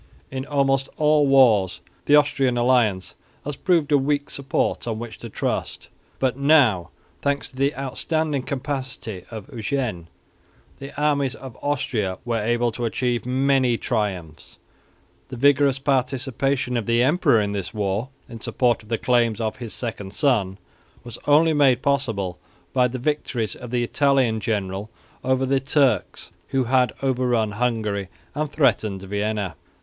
In almost all wars the Austrian alliance has proved a weak support on which to trust; but now, thanks to the outstanding capacity of Eugene, the armies of Austria were able to achieve many triumphs. The vigorous participation of the emperor in this war, in support of the claims of his second son, was only made possible by the victories of the Italian general over the Turks, who had overrun Hungary and threatened Vienna.